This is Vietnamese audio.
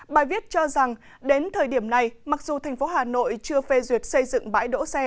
bài viết cho rằng đến thời điểm này mặc dù thành phố hà nội chưa phê duyệt xây dựng bãi đỗ xe